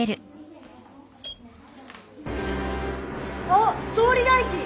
あっ総理大臣。